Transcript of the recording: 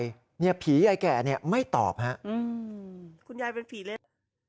สมัครเนี่ยภีร์ใยแก่เนี่ยไม่ตอบฮะคุณยายเป็นผีละ